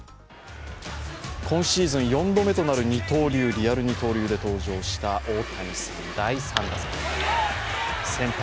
今シーズン４度目となるリアル二刀流で登場した大谷翔平選手。